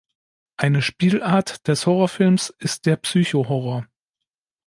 Eine Spielart des Horrorfilms ist der "Psycho-Horror".